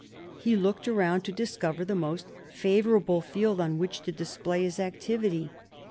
He looked around to discover the most favourable field on which to display his activity.